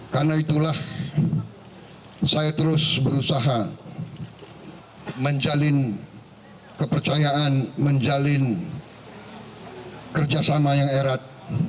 karena itulah saya terus berusaha menjalin kepercayaan menjalin kerjasama yang erat